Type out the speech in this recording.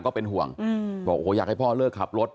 ก็เป็นห่วงบอกโอ้โหอยากให้พ่อเลิกขับรถ